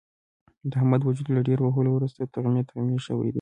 د احمد وجود له ډېرو وهلو ورسته تغمې تغمې شوی دی.